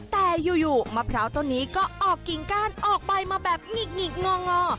แต่อยู่มะพร้าวต้นนี้ก็ออกกิ่งก้านออกไปมาแบบหงิกงองอ